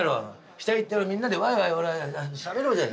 下行ってほらみんなでワイワイほらしゃべろうぜ！